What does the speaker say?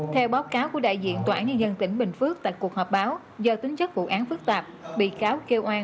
theo báo cáo của đại diện tnnd tỉnh bình phước tại cuộc họp báo do tính chất vụ án phức tạp bị cáo kêu oan